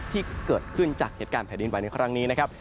ที่เกิดขึ้นจากเหตุการณ์แผ่นดินไหวในครั้งนี้นะครับ